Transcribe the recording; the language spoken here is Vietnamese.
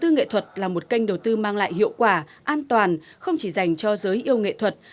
sư nghệ thuật là một kênh đầu tư mang lại hiệu quả an toàn không chỉ dành cho giới yêu nghệ thuật